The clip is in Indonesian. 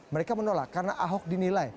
mereka menolak karena ahok dinilai